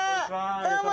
どうも！